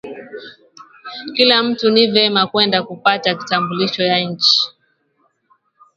Kila mutu ni vema kwenda kupata kitambulisho ya inchi